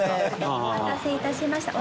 お待たせいたしました。